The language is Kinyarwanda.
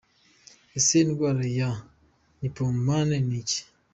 Ese indwara ya Nymphomane ni iki?.